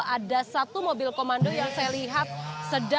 ada satu mobil komando yang saya lihat